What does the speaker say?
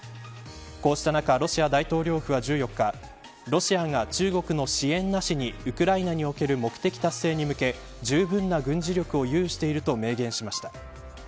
こうした中ロシア大統領府は１４日ロシアが中国の支援なしにウクライナにおける目的達成に向けじゅうぶんな軍事力を有していると明言しました。